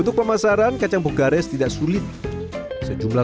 kacang selanjutnya didinginkan ditampah